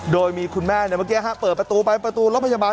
โดยมีคุณแม่เมื่อกี้เปิดประตูไปประตูรถพยาบาล